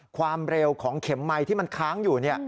ความเร็วของเข็มไมค์ที่มันค้างอยู่